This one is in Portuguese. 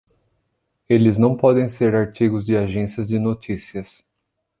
Eles não podem ser artigos de agências de notícias.